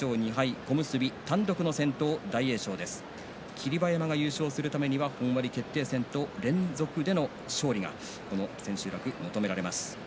霧馬山が優勝するためには本割決定戦と連続での勝利がこの千秋楽、求められます。